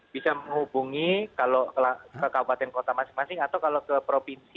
bisa menghubungi kalau ke kabupaten kota masing masing atau kalau ke provinsi